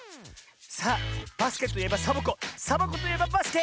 さあバスケといえばサボ子サボ子といえばバスケ！